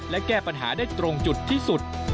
และแก้ปัญหาได้ตรงจุดที่สุด